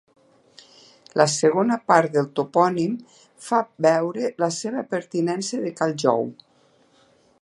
La segona part del topònim fa veure la seva pertinença de Cal Jou.